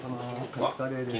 カツカレーです。